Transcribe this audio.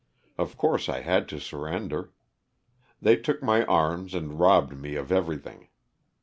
Of course I had to surrender. They took my arms and robbed me of everything.